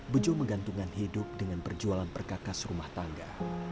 bejo menggantungkan hidup dengan perjualan perkakas rumah tangga